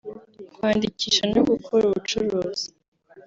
kwandikisha no gukora ubucuruzi